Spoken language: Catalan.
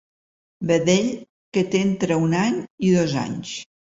Vedell que té entre un any i dos anys.